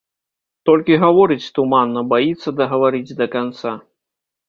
Толькі гаворыць туманна, баіцца дагаварыць да канца.